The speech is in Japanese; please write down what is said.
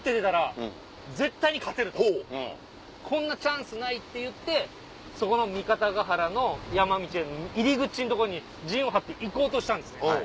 こんなチャンスないっていってそこの三方ヶ原の山道への入り口んとこに陣を張って行こうとしたんですね。